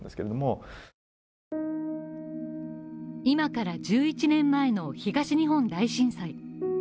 今から１１年前の、東日本大震災。